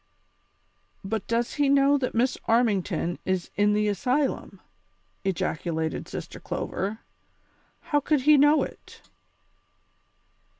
"But does he know that Miss Armington is in the asylum?" ejaculated Sister Clover. "How could he know it